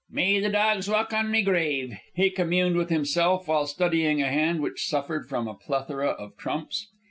"May the dogs walk on me grave," he communed with himself while studying a hand which suffered from a plethora of trumps.